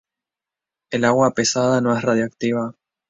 El agua pesada no es radiactiva.